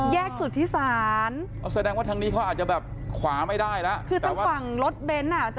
สุธิศาลอ๋อแสดงว่าทางนี้เขาอาจจะแบบขวาไม่ได้แล้วคือทางฝั่งรถเบนท์อ่ะ